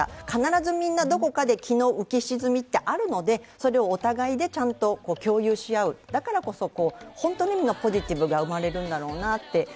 必ずみんなどこかで気の浮き沈みというのはあるので、それをお互いでちゃんと共有し合う、だからこそ、本当の意味のポジティブが生まれるんだろうなと。